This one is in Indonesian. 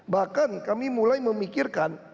bahkan kami mulai memikirkan